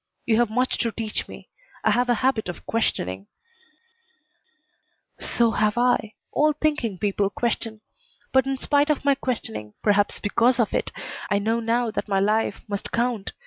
You have much to teach me. I have a habit of questioning " "So have I. All thinking people question. But in spite of my questioning, perhaps because of it, I know now that my life must count.